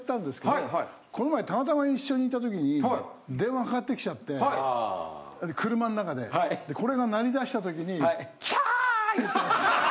この前たまたま一緒にいた時に電話かかってきちゃって車の中でこれが鳴り出した時に。